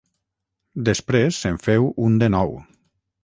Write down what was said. Després se’n féu un de nou.